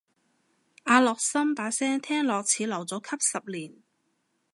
阿樂琛把聲聽落似留咗級十年